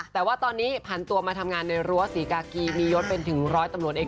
แต่ว่าตอนนี้ผันตัวมาทำงานในรั้วศรีกากีมียศเป็นถึงร้อยตำรวจเอง